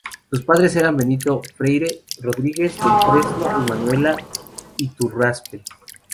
Sus padres eran Benito Freyre Rodríguez del Fresno y Manuela Iturraspe.